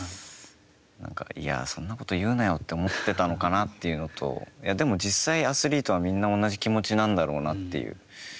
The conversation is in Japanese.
いやあ、そんなこと言うなよって思ってたのかなというのとでも、実際、アスリートは、みんな、同じ気持ちなんだろうなという。